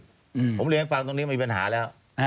ผมก็ไม่ให้ฟังตอนนี้มีปัญหาแล้ว